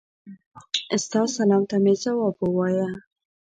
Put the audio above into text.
ستا سلام ته مي ځواب ووایه.